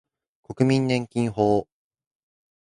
国民年金法